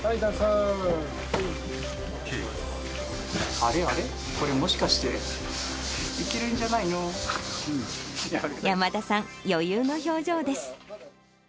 あれあれ、これ、もしかして、山田さん、余裕の表情です。